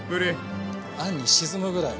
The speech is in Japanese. あんに沈むぐらい。